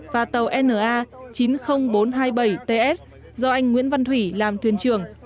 và tàu na chín mươi nghìn bốn trăm hai mươi bảy ts do anh nguyễn văn thủy làm thuyền trưởng